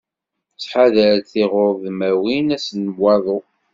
Ttḥadaret tiɣurdmiwin ass n waḍu.